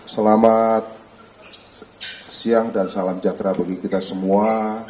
selamat siang dan salam sejahtera bagi kita semua